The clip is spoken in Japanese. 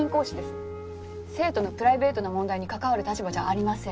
生徒のプライベートな問題に関わる立場じゃありません。